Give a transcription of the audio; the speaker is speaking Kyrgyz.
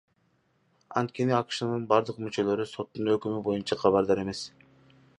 Анткени АШКнын бардык мүчөлөрү соттун өкүмү боюнча кабардар эмес.